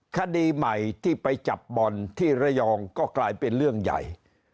คดีใหม่ที่ไปจับบอลที่ระยองก็กลายเป็นเรื่องใหญ่